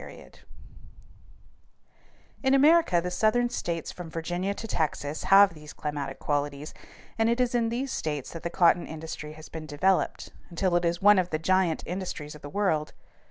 [Illustration: FIG. 183. GROWTH OF COTTON FROM DAY TO DAY In America the Southern states from Virginia to Texas have these climatic qualities, and it is in these states that the cotton industry has been developed until it is one of the giant industries of the world.